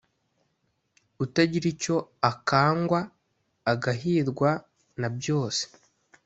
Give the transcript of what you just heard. utagira icyo akangwa agahirwa na byose,